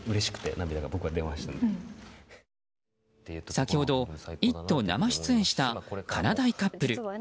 先ほど「イット！」に生出演した、かなだいカップル。